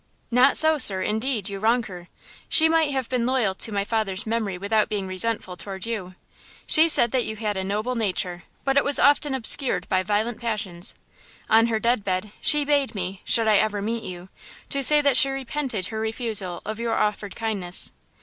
"Not so, sir; indeed, you wrong her. She might have been loyal to my father's memory without being resentful toward you. She said that you had a noble nature, but it was often obscured by violent passions. On her dead bed she bade me, should I ever meet you, to say that she repented her refusal of your offered kindness."